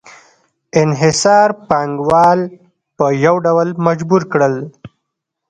انحصار پانګوال په یو ډول مجبور کړل